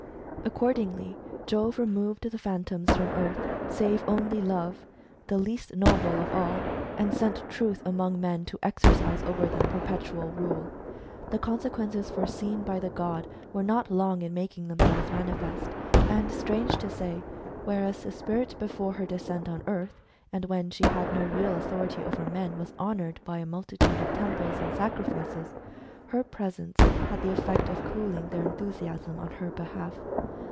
Accordingly, Jove removed the Phantoms from earth, save only Love, the least noble of all, and sent Truth among men to exercise over them perpetual rule. The consequences foreseen by the god were not long in making themselves manifest. And strange to say, whereas the spirit before her descent on earth, and when she had no real authority over men, was honoured by a multitude of temples and sacrifices, her presence had the 12 HISTORY OF THE HUMAN RACE. effect of coolincj their enthusiasm on her behalf.